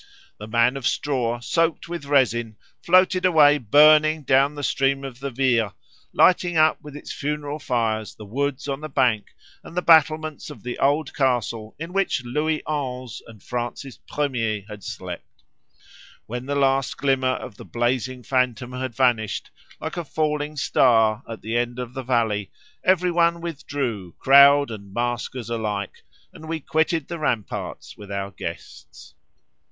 The man of straw, soaked with resin, floated away burning down the stream of the Vire, lighting up with its funeral fires the woods on the bank and the battlements of the old castle in which Louis XI. and Francis I. had slept. When the last glimmer of the blazing phantom had vanished, like a falling star, at the end of the valley, every one withdrew, crowd and maskers alike, and we quitted the ramparts with our guests."